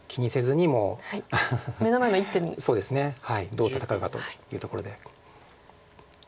どう戦うかというところで。